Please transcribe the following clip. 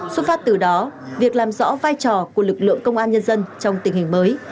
xuất phát từ đó việc làm rõ vai trò của lực lượng công an nhân dân trong tình hình mới